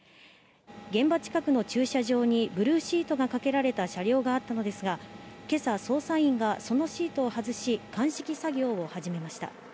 現場近くの駐車場にブルーシートがかけられた車両があったのですが、今朝、捜査員がそのシートを外し、鑑識作業を始めました。